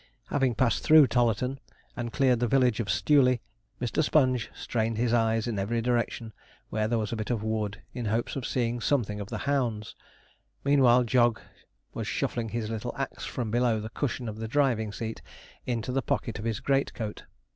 Having passed through Tollarton, and cleared the village of Stewley, Mr. Sponge strained his eyes in every direction where there was a bit of wood, in hopes of seeing something of the hounds. Meanwhile Jog was shuffling his little axe from below the cushion of the driving seat into the pocket of his great coat.